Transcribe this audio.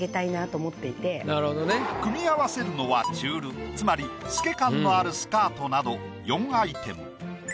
組み合わせるのはチュールつまり透け感のあるスカートなど４アイテム。